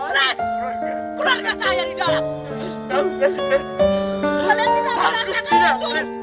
udah dua belas keluarga saya di dalam